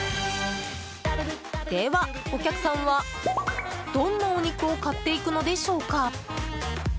ではお客さんは、どんなお肉を買っていくのでしょうか？